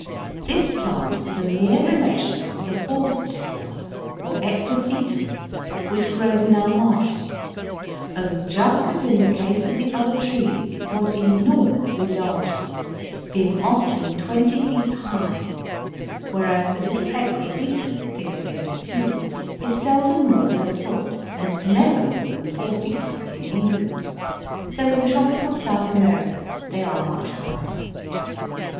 This plant was a near relation of the "horsetail," or Equisetum, which grows in our marshes; only, just as in the case of the other trees, it was enormously larger, being often 20 feet high, whereas the little Equisetum, Fig. 52, is seldom more than a foot, and never more than 4 feet high in England, though in tropical South America they are much higher.